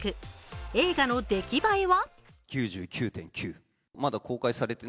映画の出来栄えは？